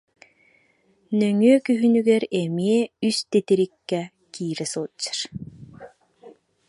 Нөҥүө күһүнүгэр эмиэ үс титириккэ киирэ сылдьар